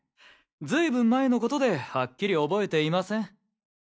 ずいぶん前の事ではっきり覚えていません。